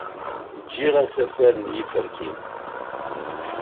Giɣ asafag n yiferki.